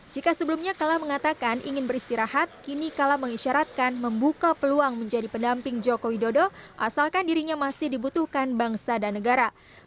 jika sebelumnya kala mengatakan ingin beristirahat kini kala mengisyaratkan membuka peluang menjadi pendamping joko widodo asalkan dirinya masih dibutuhkan bangsa dan negara